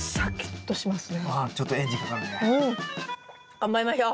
頑張りましょう。